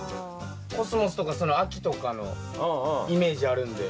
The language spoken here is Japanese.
コスモスとか秋とかのイメージあるんで。